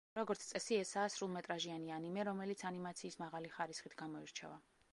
როგორც წესი, ესაა სრულმეტრაჟიანი ანიმე, რომელიც ანიმაციის მაღალი ხარისხით გამოირჩევა.